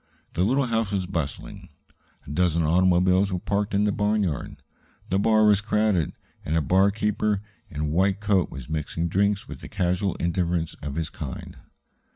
The little house was bustling; a dozen automobiles were parked in the barnyard. The bar was crowded, and a barkeeper in a white coat was mixing drinks with the casual indifference of his kind.